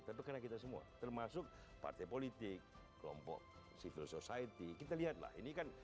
tapi karena kita semua termasuk partai politik kelompok civil society kita lihatlah ini kan